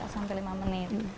sampai lima menit